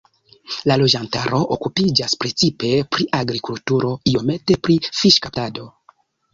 La loĝantaro okupiĝas precipe pri agrikulturo, iomete pri fiŝkaptado.